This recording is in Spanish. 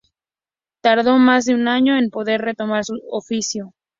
Tardó más de un año en poder retomar su oficio.